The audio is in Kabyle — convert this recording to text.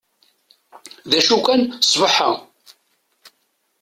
D acu kan sbeḥ-a.